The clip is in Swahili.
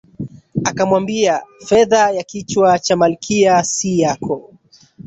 Akamwambia Fedha ya kichwa cha Malkia si yako